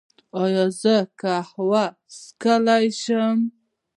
ایا زه قهوه څښلی شم؟